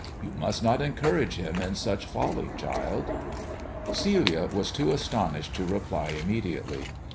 You must not encourage him in such folly, child." Celia was too astonished to reply immediately.